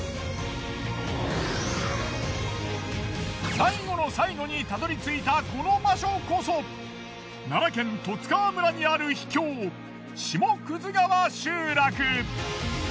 最後の最後にたどり着いたこの場所こそ奈良県十津川村にある秘境下葛川集落。